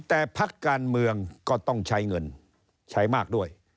แต่พักการเมืองก็ต้องใช้เงินใช้มากด้วย